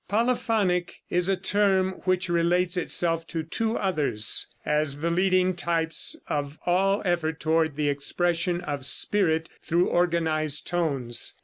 Polyphonic is a term which relates itself to two others, as the leading types of all effort toward the expression of spirit through organized tones.